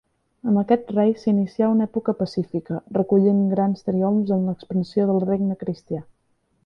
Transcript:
Amb aquest rei s'inicià una època pacífica, recollint grans triomfs en l'expansió del regne cristià.